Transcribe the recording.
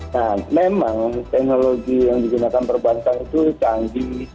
nah memang teknologi yang digunakan perbankan itu canggih